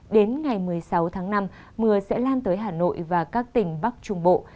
đến ngày một mươi sáu tháng năm mưa sẽ lan tới hà nội và các tỉnh bắc trung bộ